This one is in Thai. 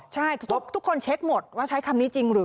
ใช่ทุกคนเช็คหมดว่าใช้คำนี้จริงหรือ